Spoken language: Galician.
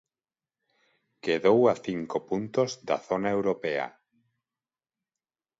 Quedou a cinco puntos da zona europea.